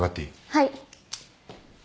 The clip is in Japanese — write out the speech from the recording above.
はい。